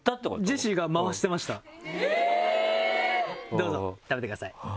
「どうぞ食べてください